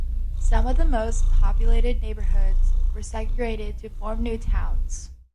Some of the most populated neighborhoods were segregated to form new towns.